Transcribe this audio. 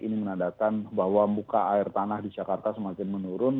ini menandakan bahwa muka air tanah di jakarta semakin menurun